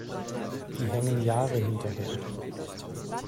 Die hängen Jahre hinterher.